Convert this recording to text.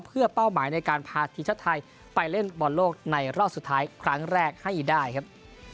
เพื่อเป้าหมายในการพาทีมชาติไทยไปเล่นบอลโลกในรอบสุดท้ายครั้งแรกให้ได้ครับ